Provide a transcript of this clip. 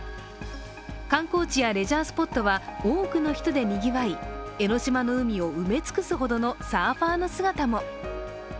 観光地やレジャースポットは多くの人でにぎわい江の島の海を埋め尽くすほどのサーファーの姿も。